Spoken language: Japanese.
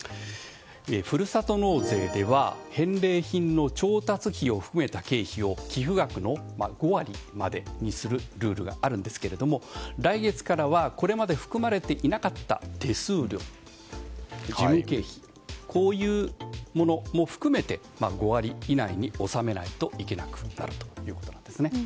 ふるさと納税では返礼品の調達費を含めた経費を寄付額の５割までにするルールがあるんですが来月からはこれまで含まれていなかった手数料や事務経費などこういうものも含めて５割以内に収めないといけなくなるということです。